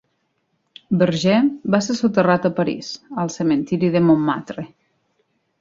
Berger va ser soterrat a París, al cementiri de Montmartre.